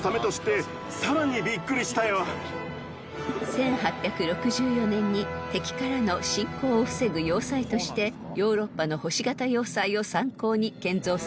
［１８６４年に敵からの侵攻を防ぐ要塞としてヨーロッパの星形要塞を参考に建造されました］